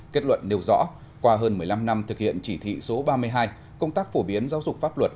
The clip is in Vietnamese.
kết luận nêu rõ qua hơn một mươi năm năm thực hiện chỉ thị số ba mươi hai công tác phổ biến giáo dục pháp luật